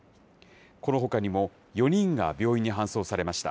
このほかにも４人が病院に搬送されました。